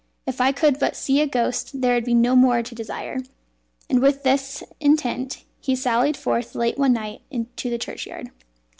If I could but see a ghost there would be no more to desire." And with this intent he sallied forth late one night to the churchyard.